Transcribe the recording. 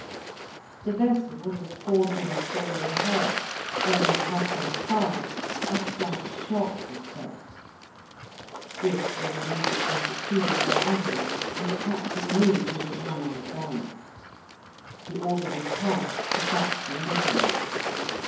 The vessel was forging slowly ahead, when, at half past five, a slight shock was felt. This was immediately succeeded by others, and the captain knew he had run on a bank. The order was passed to back the engines.